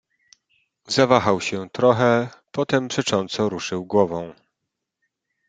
"Zawahał się trochę, potem przecząco ruszył głową."